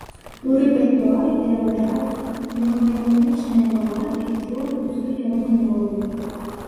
У рэпертуары пераважаюць меладраматычныя балады і творы ў стылі рок-н-рола.